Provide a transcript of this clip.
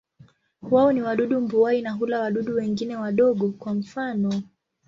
Wao ni wadudu mbuai na hula wadudu wengine wadogo, kwa mfano.